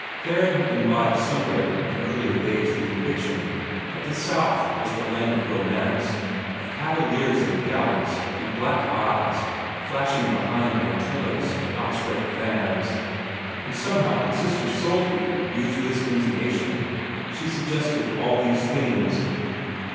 Theron had imbibed somewhere in early days the conviction that the South was the land of romance, of cavaliers and gallants and black eyes flashing behind mantillas and outspread fans, and somehow when Sister Soulsby used this intonation she suggested all these things.